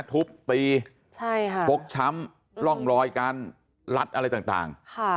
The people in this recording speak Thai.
ทุบตีฟกช้ำร่องรอยการลัดอะไรต่าง